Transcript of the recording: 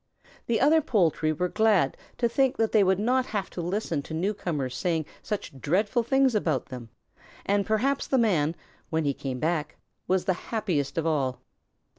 The other poultry were glad to think that they would not have to listen to new comers saying such dreadful things about them, and perhaps the Man, when he came back, was the happiest of all.